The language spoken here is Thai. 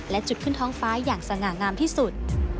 และจุดขึ้นท้องฟ้าอย่างสง่างามที่สุด